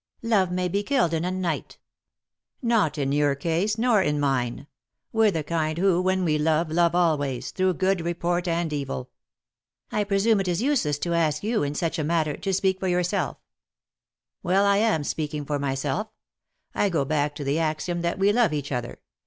" Love may be killed in a night" " Not in your case, nor in mine. We're the kind who, when we love, love always, through good re port and evil." "I presume it is useless to ask you, in such a matter, to speak for yourself." 59 3i 9 iii^d by Google THE INTERRUPTED KISS " Well, I am speaking for myself I go back to the axiom that we love each other.